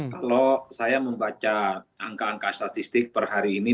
kalau saya membaca angka angka statistik per hari ini